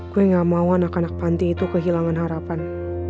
gue gak mau anak anak panti itu kehilangan harapan